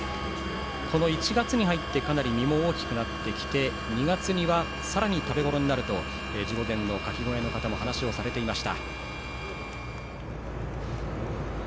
１月に入ってかなり身も大きくなってきて２月にはさらに食べごろになると地御前のカキ小屋の方も話されていました。